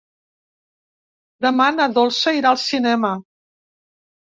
Demà na Dolça irà al cinema.